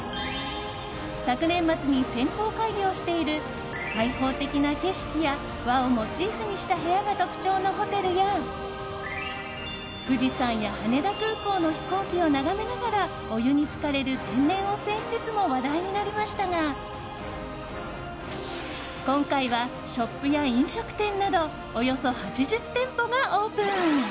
昨年末に先行開業している開放的な景色や和をモチーフにした部屋が特徴のホテルや富士山や羽田空港の飛行機を眺めながらお湯に浸かれる天然温泉施設も話題になりましたが今回はショップや飲食店などおよそ８０店舗がオープン。